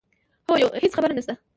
هو هېڅ خبره نه شته.